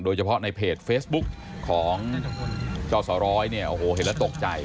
โดยเฉพาะในเพจเฟซบุ๊กของจอสร้อยเนี่ยโอ้โหเห็นแล้วตกใจ